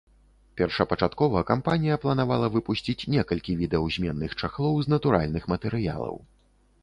Першапачаткова кампанія планавала выпусціць некалькі відаў зменных чахлоў з натуральных матэрыялаў.